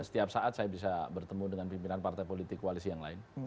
setiap saat saya bisa bertemu dengan pimpinan partai politik koalisi yang lain